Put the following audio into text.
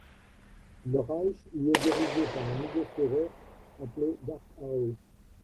Le Reich y est dirigé par un nouveau Führer, appelé Dark Arrow.